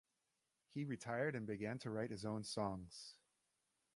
He retired and began to write his own songs.